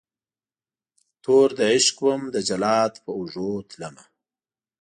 توردعشق وم دجلاد په اوږو تلمه